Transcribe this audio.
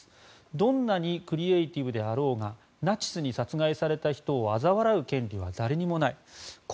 どんなにクリエーティブであろうがナチスに殺害された人をあざ笑う権利は誰にもない。